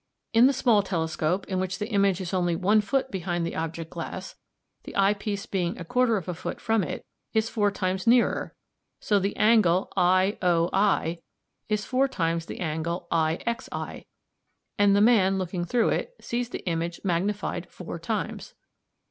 In the small telescope, in which the image is only one foot behind the object glass, the eye piece being a quarter of a foot from it, is four times nearer, so the angle i, o, i is four times the angle i, x, i, and the man looking through it sees the image magnified four times.